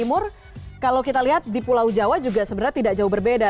timur kalau kita lihat di pulau jawa juga sebenarnya tidak jauh berbeda